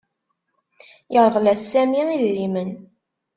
Yerḍel-s Sami idrimen.